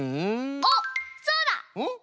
あっそうだ！んっ？